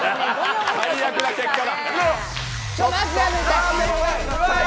最悪な結果だ。